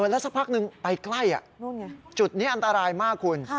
แล้วสักพักนึงไปใกล้จุดนี้อันตรายมากคุณ